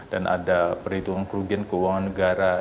dan ada perhitungan kerugian keuangan negara